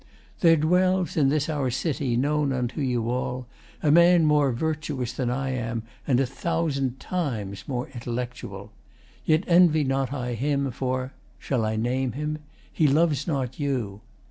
] There dwells In this our city, known unto you all, A man more virtuous than I am, and A thousand times more intellectual; Yet envy not I him, for shall I name him? He loves not you.